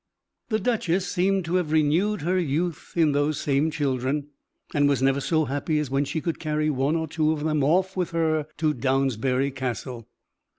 The duchess seemed to have renewed her youth in those same children, and was never so happy as when she could carry one or two of them off with her to Downsbury Castle.